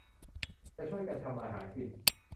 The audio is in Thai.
จะช่วยกันทำมาหากิน